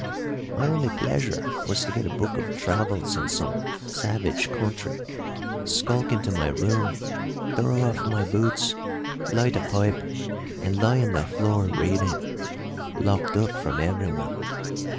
My only pleasure was to get a book of travels in some savage country, skulk into my room, throw off my boots, light a pipe, and lie on the floor reading locked up from everyone.